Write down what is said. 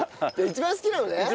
一番好きなのね？